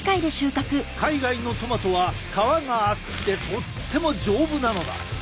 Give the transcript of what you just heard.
海外のトマトは皮が厚くてとっても丈夫なのだ。